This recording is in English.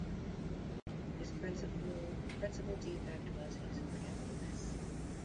His principal defect was his forgetfulness.